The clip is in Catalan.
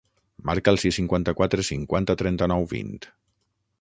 Marca el sis, cinquanta-quatre, cinquanta, trenta-nou, vint.